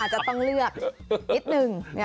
จะต้องเลือกนิดนึง